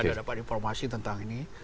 tapi sudah dapat informasi tentang ini